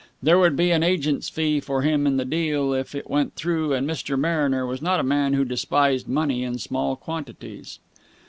There would be an agent's fee for him in the deal, if it went through, and Mr. Mariner was not a man who despised money in small quantities.